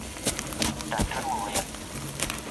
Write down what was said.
که احترام نه وي نو دوستي به ورانه سي.